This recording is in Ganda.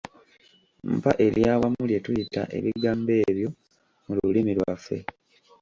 Mpa ery’awamu lye tuyita ebigambo ebyo mu lulimi lwaffe.